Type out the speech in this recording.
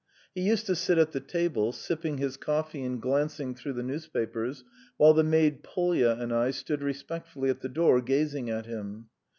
He used to sit at the table, sipping his coffee and glancing through the newspapers, while the maid Polya and I stood respectfully at the door gazing at him.